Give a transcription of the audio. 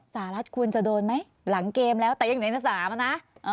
สหรัฐคุณจะโดนไหมหลังเกมแล้วแต่ยังเหนือ๓นะ